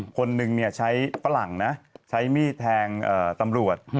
คนนึงใช้ฝรั่งนะใช้มีดแทงตำรวจ